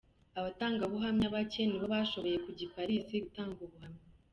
Abatangabuhamya bake nibo bashoboye kujya i Paris gutanga ubuhamya.